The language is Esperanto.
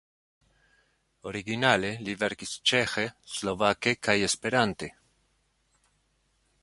Originale li verkis ĉeĥe, slovake kaj esperante.